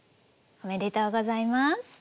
おめでとうございます。